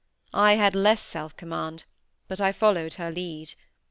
I had less self command; but I followed her lead.